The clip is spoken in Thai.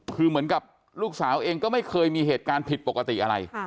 คือเหมือนกับลูกสาวเองก็ไม่เคยมีเหตุการณ์ผิดปกติอะไร